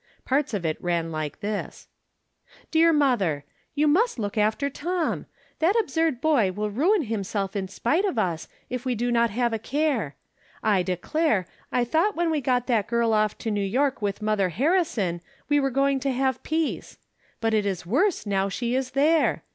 Parts of it ran like this: Deae Mother :— You must look after Tom ! That absurd boy will ruin himself in spite of us, if we do not have a care ! I declare, I thought when we got that girl off to New York with Mother Harrison we were going to have peace. But it is worse now she is there.